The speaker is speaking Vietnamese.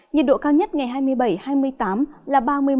nhiệt độ cao nhất ngày hai mươi bảy hai mươi tám là ba mươi độ